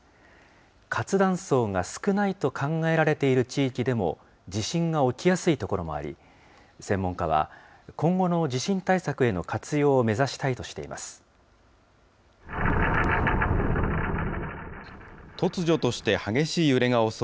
活断層が少ないと考えられている地域でも、地震が起きやすい所もあり、専門家は今後の地震対策への活用を目指したいとしています。